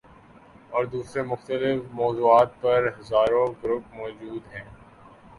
اور دوسرے مختلف موضوعات پر ہزاروں گروپ موجود ہیں۔